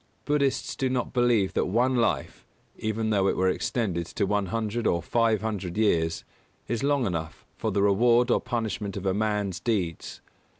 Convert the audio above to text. Buddhists do not believe that one life even though it were extended to one hundred or five hundred years is long enough for the reward or punishment of a man's deeds.